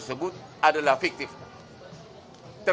janganlah disini sepuluh wrote